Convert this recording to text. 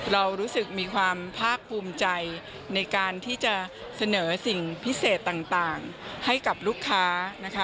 เรารู้สึกมีความภาคภูมิใจในการที่จะเสนอสิ่งพิเศษต่างให้กับลูกค้านะคะ